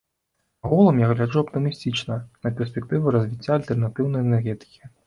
Агулам я гляджу аптымістычна на перспектывы развіцця альтэрнатыўнай энергетыкі.